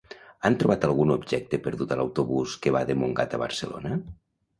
Han trobat algun objecte perdut a l'autobús que va de Montgat a Barcelona?